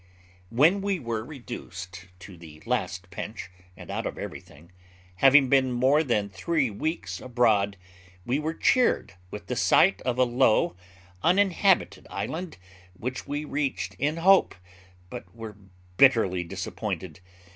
'When we were reduced to the last pinch, and out of everything, having been more than three weeks abroad, we were cheered with the sight of a low, uninhabited island, which we reached in hope, but were bitterly disappointed.